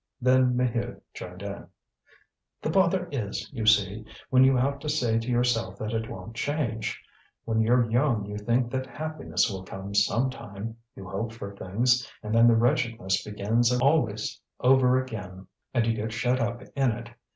Then Maheude joined in. "The bother is, you see, when you have to say to yourself that it won't change. When you're young you think that happiness will come some time, you hope for things; and then the wretchedness begins always over again, and you get shut up in it.